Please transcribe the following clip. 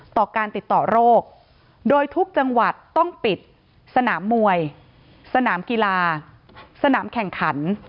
ต่อการติดต่อโรคโดยทุกจังหวัดต้องปิดสนามมวยสนามกีฬาสนามแข่งขัน